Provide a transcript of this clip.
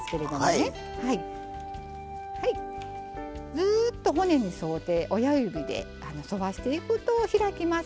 ずっと骨に沿うて親指で沿わしていくと開きます。